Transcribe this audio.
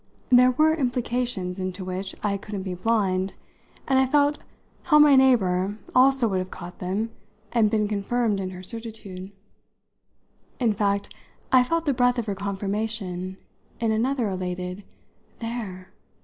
There were implications in it to which I couldn't be blind, and I felt how my neighbour also would have caught them and been confirmed in her certitude. In fact I felt the breath of her confirmation in another elated "There!"